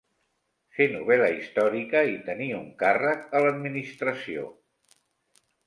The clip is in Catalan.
Fer novel·la històrica i tenir un càrrec a l'administració?